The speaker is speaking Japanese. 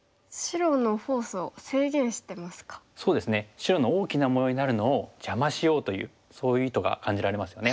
白の大きな模様になるのを邪魔しようというそういう意図が感じられますよね。